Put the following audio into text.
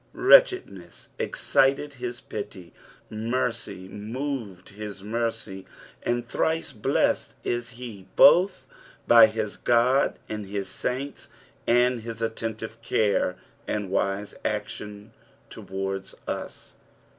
Wretchedness excited his pity, misery moved his mercy, ind thrice blessed is he both bj his God and liis saints for his attentive care lad vise action towards us.